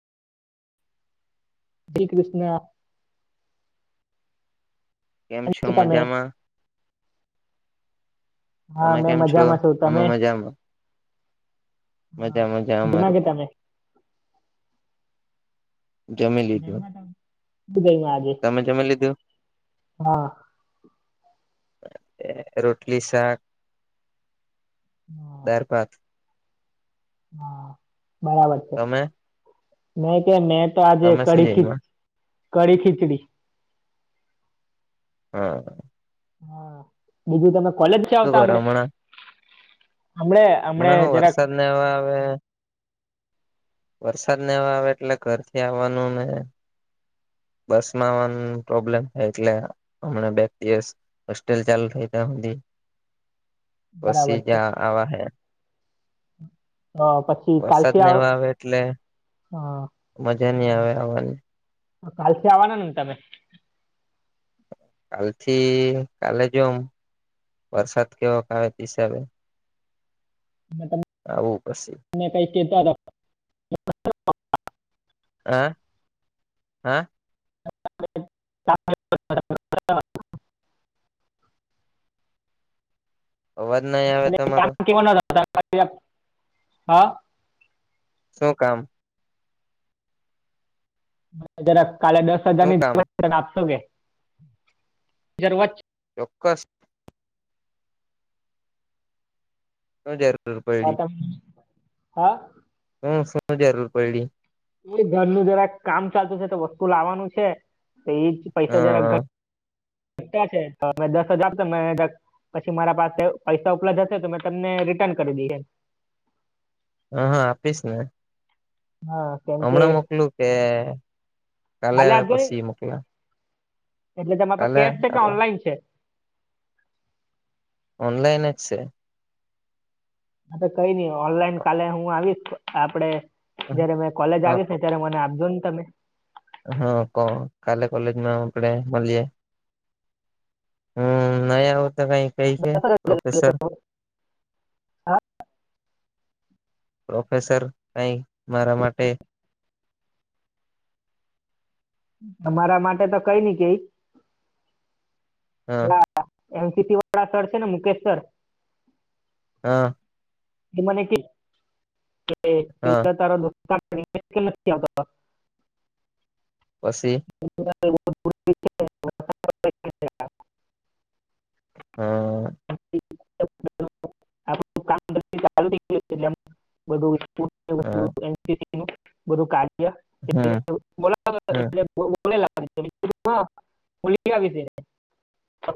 જી કૃષ્ણ. કેમ છો મજામાં. હા તમે મેં કેમ છો મજામાં છું અમે તમે. મજામાં હા મજા મજા અમારે દિમાગે પણ તમે. [unintelligible] જમી જય લીધું માતા હું જય મા. તમે જમે લીધું. રોટલી શાક હા દાળભાત. હા બરાબર. [unintelligible] તમે. નહી કે મેં તો આજે તમે શું જમ્યા કડી ખીચડી. હા. હા બીજું તમે કોલેજ છે શું આવતા કરો હડે. હમણા હું જરાક વરસાદ નાને એવા આવે. વરસાદ નને આવે એટલે ઘર થી આવવાનું ને. બસ માં પ્રોબ્લેમ થ એટલેમ. હોસ્ટેલ ચાલુ થઈ ત્યા સુધી બરાબર પછી છે. જ્યાં આવા હે. હ પછી વરસાદ કાલથી ને આવ એવા આવે એટલે હા. મજા નઈ આવે આવવાની. કાલથી આવવાના તમે. કાલ થી કાલે જોમ વરસાદ કેવોક આવે તે હિસાબે. મ. [unintelligible] આવું પશી. ને કઈ કેહેતા હતા. હ હા ત [unintelligible] અવાજ નહી આવે એ કામ તમારો કેવા નતા હા [unintelligible] શું કામ? જારે કાલે દસ હજાર શું ની કામ જ આપશો કે જ [unintelligible] ચોક્કસ હ જર [unintelligible] હ તમે હા હમ શું જરૂર પયડી ઘરનું જરા કામ ચાલતું છે તો વસ્તુ લાવવાનું છે તો એજ પૈસા જરા ઘ હા ટા છે તોમે દસ હજાર તો મે પછી મારા પાસે પૈસા ઉપલબ્ધ હશે તો મેં તમને રિટર્ન કરી દઈ હ હા આપીશ ને. હા કેમ કે હમણાં મોકલું કે કાલે આપજો ને પછી મોકલા. એટલે તમારા કાલે કેશ છે કે ઓનલાઈન છે? ઓનલાઇન જ છેે. હ તો કઈ નઈ ઓનલાઈન કાલે હું આવીશ આપડે હા જયારે મેં કોલેજ આવીશ ને ત્યારે મને આપજો ને તમે. હા કોણ કાલે કોલેજમાં આપે મળીએ. હમ. નઈ આવું તો કઈ કે પ્રોફેસર? હા પ્રોફેસર કઈ મારા માટે? તમારા માટે તો કઈ નઈ કઈ. હ એનસીસી વાળા સર છે ને મુકેશ સર હા. એ મને કે હ પેલા તારો દોસ્તાર [unintelligible] નથી આવતો. પછી. [unintelligible] આપણું હમ [unintelligible] બું વિ હ બું [unintelligible] હમ બોલા હમ [unintelligible] બોલેલી છે.